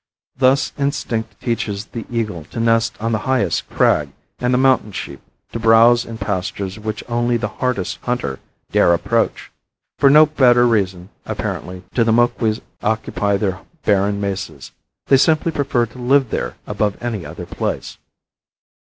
Thus instinct teaches the eagle to nest on the highest crag and the mountain sheep to browse in pastures which only the hardiest hunter dare approach. For no better reason, apparently, do the Moquis occupy their barren mesas; they simply prefer to live there above any other place.